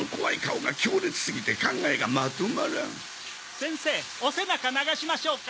先生お背中流しましょうか？